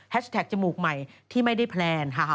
แฮชแท็กจมูกใหม่ที่ไม่ได้แพลน